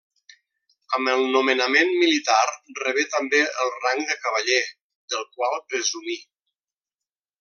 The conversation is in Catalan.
Amb el nomenament militar rebé també el rang de cavaller, del qual presumí.